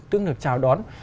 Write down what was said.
tức là được trào đón